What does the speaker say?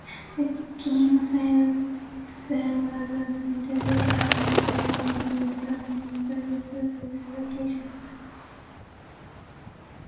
The King sized pretzel was also introduced and began being sold in foodservice locations.